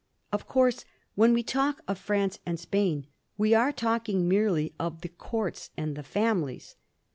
Of course, when we talk of France and Spain, we are talking merely of the Courts and the families.